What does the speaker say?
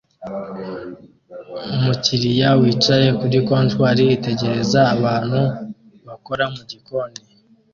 Umukiriya wicaye kuri comptoire yitegereza abantu bakora mugikoni